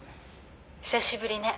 「久しぶりね。